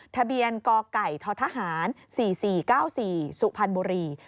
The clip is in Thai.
ทะเบียนกไก่ททหาร๔๔๙๔สุพรรณบุรี